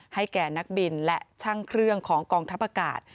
แก่นักบินและช่างเครื่องของกองทัพอากาศ